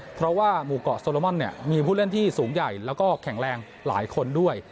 เพราะว่าหมู่เกาะโซโลมอนเนี่ยมีผู้เล่นที่สูงใหญ่แล้วก็แข็งแรงหลายคนด้วย